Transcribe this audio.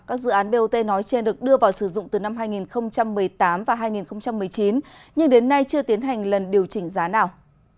các dự án bot nói trên được đưa vào sử dụng từ năm hai nghìn một mươi tám và hai nghìn một mươi chín nhưng đến nay chưa tiến hành lần điều chỉnh giá nào